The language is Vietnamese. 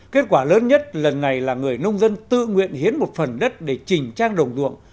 kết quả lớn nhất lần này là người nông dân tự nguyện hiến một phần đất để chỉnh trang đồng ruộng